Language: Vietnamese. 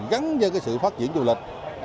gắn với sự phát triển du lịch